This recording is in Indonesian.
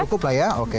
cukup lah ya oke